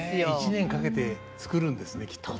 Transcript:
１年かけて作るんですねきっと。